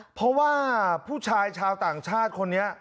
เพราะว่าผู้ชายชาวต่างชาติคนนี้